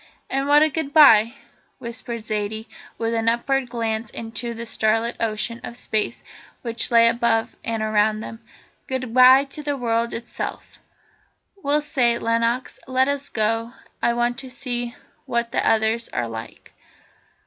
"And what a goodbye," whispered Zaidie, with an upward glance into the starlit ocean of Space which lay above and around them. "Goodbye to the world itself! Well, say it, Lenox, and let us go; I want to see what the others are like."